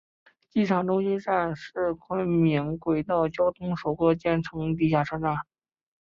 机场中心站是昆明轨道交通首个建成地下车站。